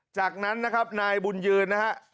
จากนั้นนะครับนายบุญยืนนะฮะ